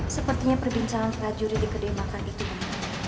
sepertinya perbincangan prajurit di kedai makan itu